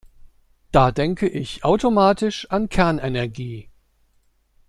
Da denke ich automatisch an Kernenergie.